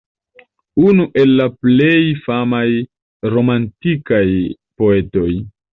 Unu el la plej famaj romantikaj poetoj.